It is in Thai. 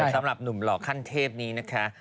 สำหรับหนุ่มหล่อขั้นเทพนี้นะคะ